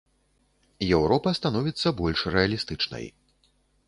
Еўропа становіцца больш рэалістычнай.